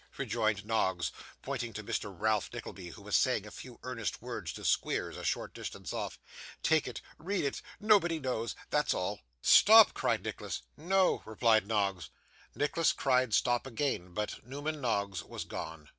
rejoined Noggs, pointing to Mr. Ralph Nickleby, who was saying a few earnest words to Squeers, a short distance off: 'Take it. Read it. Nobody knows. That's all.' 'Stop!' cried Nicholas. 'No,' replied Noggs. Nicholas cried stop, again, but Newman Noggs was gone.